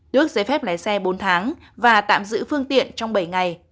được giấy phép lấy xe bốn tháng và tạm giữ phương tiện trong bảy ngày